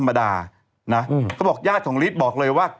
เรียสฐ์ของลิฟต์บอกเลยว่า